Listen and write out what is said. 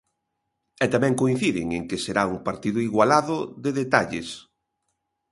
E tamén coinciden en que será un partido igualado, de detalles.